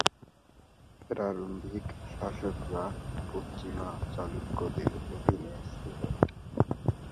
প্রারম্ভিক শাসকরা পশ্চিমা চালুক্যদের অধীনে ছিল।